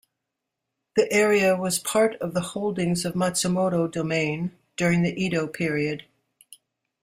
The area was part of the holdings of Matsumoto Domain during the Edo period.